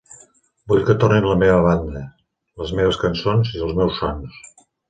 Vull que torni la meva banda, les meves cançons i els meus sons.